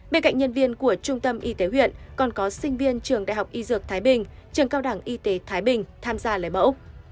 bên cạnh nhân viên của trung tâm y tế huyện còn có sinh viên trường đại học y dược thái bình trường cao đẳng y tế thái bình tham gia lấy mẫu